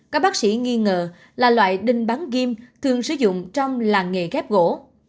các bác sĩ nghi ngờ là loại đinh bán ghim thường sử dụng trong làng nghề ghép gỗ